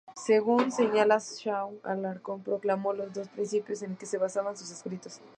Según señala Shaw, Alarcón proclamó los dos principios en que se basaban sus escritos.